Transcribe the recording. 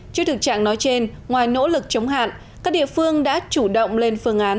trước thực trạng nói trên ngoài nỗ lực chống hạn các địa phương đã chủ động lên phương án